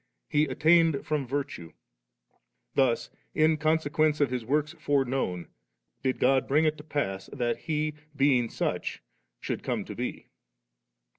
He attained from virtue. Thus in consequence of His works fore known \ did God bring it to pass that He, being such, should come to be.